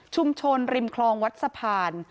ชุมชนริมคลองวัดสะพาน